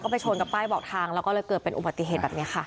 ไปชนกับป้ายบอกทางแล้วก็เลยเกิดเป็นอุบัติเหตุแบบนี้ค่ะ